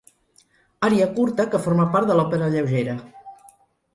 Ària curta que forma part de l'òpera lleugera.